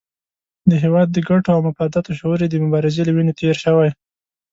د هېواد د ګټو او مفاداتو شعور یې د مبارزې له وینو تېر شوی.